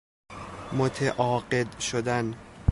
متعاقد شدن